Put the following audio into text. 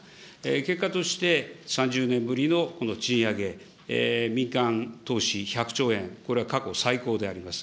結果として３０年ぶりのこの賃上げ、民間投資１００兆円、これは過去最高であります。